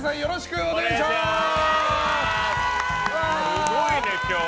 すごいね、今日。